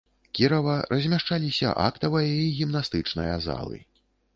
Кірава, размяшчаліся актавая і гімнастычная залы.